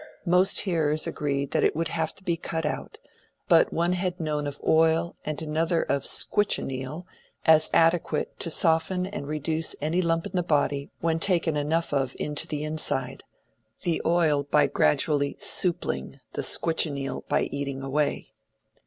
Most hearers agreed that it would have to be cut out, but one had known of oil and another of "squitchineal" as adequate to soften and reduce any lump in the body when taken enough of into the inside—the oil by gradually "soopling," the squitchineal by eating away.